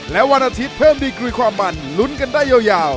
และวันอาทิตย์เพิ่มดีกรีความมันลุ้นกันได้ยาว